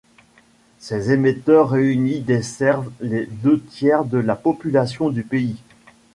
Ces émetteurs réunis desservent les deux tiers de la population du pays.